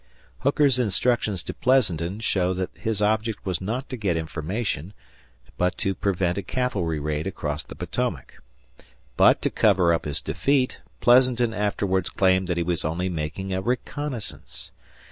Hooker's instructions to Pleasanton show that his object was not to get information, but to prevent a cavalry raid across the Potomac. But, to cover up his defeat, Pleasanton afterwards claimed that he was only making a reconnaissance.